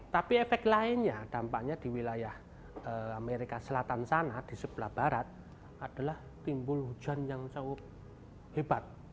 tapi efek lainnya dampaknya di wilayah amerika selatan sana di sebelah barat adalah timbul hujan yang cukup hebat